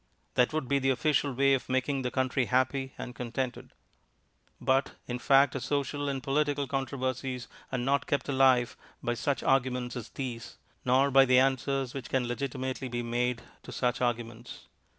That would be the official way of making the country happy and contented. But, in fact, our social and political controversies are not kept alive by such arguments as these, nor by the answers which can legitimately be made to such arguments.